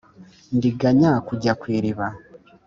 Ndiganya kujya ku iriba.